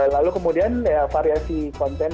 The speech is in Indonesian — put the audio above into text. lalu kemudian variasi konten